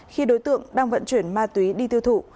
khi đối tượng đang vận chuyển ma túy đi tiêu thụ